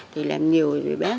thì làm nhiều thì bén